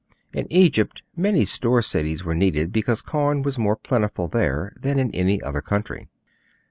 In Egypt many store cities were needed because corn was more plentiful there than in any other country.